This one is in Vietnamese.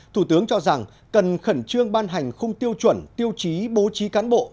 thủ tướng cho rằng cần khẩn trương ban hành khung tiêu chuẩn tiêu chí bố trí cán bộ